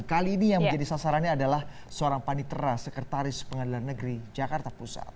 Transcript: kali ini yang menjadi sasarannya adalah seorang panitera sekretaris pengadilan negeri jakarta pusat